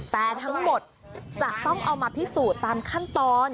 แต่ทั้งหมดจะต้องเอามาพิสูจน์ตามขั้นตอน